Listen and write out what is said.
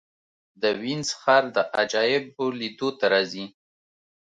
د وینز ښار د عجایبو لیدو ته راځي.